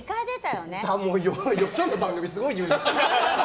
よその番組、すごい言うな。